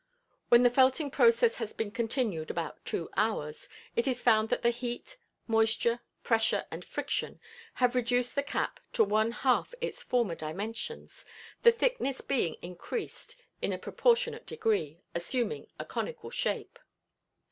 When this felting process has been continued about two hours, it is found that the heat, moisture, pressure and friction have reduced the cap to one half its former dimensions, the thickness being increased in a proportionate degree, assuming a conical shape.